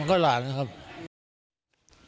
เป็นมีดปลายแหลมยาวประมาณ๑ฟุตนะฮะที่ใช้ก่อเหตุ